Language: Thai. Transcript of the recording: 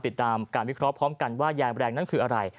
ติดตามการวิเคราะห์พร้อมกันว่ายางแรงนั้นคืออะไร